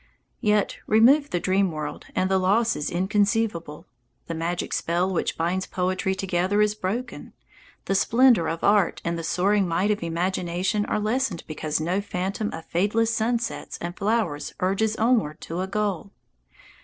Yet remove the dream world, and the loss is inconceivable. The magic spell which binds poetry together is broken. The splendour of art and the soaring might of imagination are lessened because no phantom of fadeless sunsets and flowers urges onward to a goal.